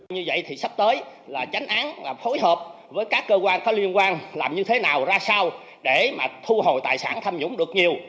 như vậy thì sắp tới là tránh án phối hợp với các cơ quan có liên quan làm như thế nào ra sao để mà thu hồi tài sản tham nhũng được nhiều